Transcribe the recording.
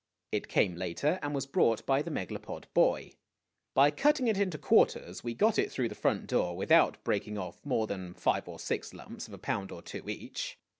It came later, and was brought by the Megalopod boy. By cutting it into quarters, we got it through the front door without breaking off more than five or six lumps of a pound or two each.